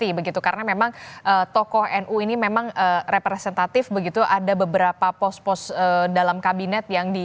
iya pasti karena memang toko nu ini memang representatif begitu ada beberapa pos pos dalam kabinet